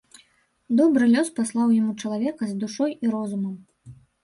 Добры лёс паслаў яму чалавека з душой і розумам.